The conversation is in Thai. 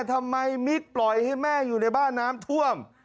ทำไมมิกปล่อยให้แม่อยู่ในบ้านน้ำท่วม